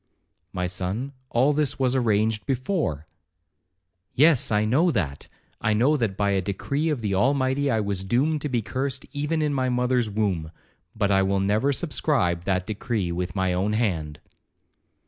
'My son, all this was arranged before.' 'Yes, I know that—I know that by a decree of the Almighty I was doomed to be cursed even in my mother's womb, but I will never subscribe that decree with my own hand.'